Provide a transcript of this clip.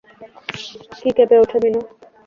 কী কেঁপে উঠে, মিনো?